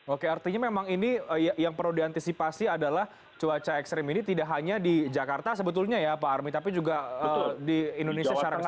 oke artinya memang ini yang perlu diantisipasi adalah cuaca ekstrim ini tidak hanya di jakarta sebetulnya ya pak armi tapi juga di indonesia secara besar